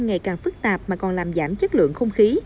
ngày càng phức tạp mà còn làm giảm chất lượng không khí